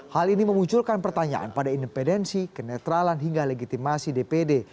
hal ini memunculkan pertanyaan pada independensi kenetralan hingga legitimasi dpd